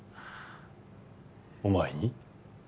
お前に？